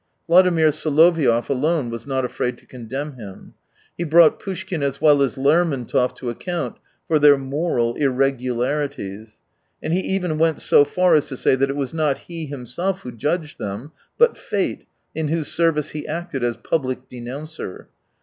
Vladimir Soloviov alone was not afraid to condemn him. He brought Poushkin as well as Lermontov to account for their moral irregularities, and he even went so far as to say that it was not he himself who judged them, but Fate, in whose service he acted as public denouncer.